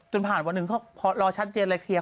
จนผ่านวันนึงเขารอชัดเจนและเคลียร์